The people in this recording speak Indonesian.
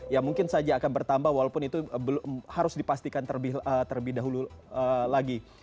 ya mungkin saja akan bertambah walaupun itu harus dipastikan terlebih dahulu lagi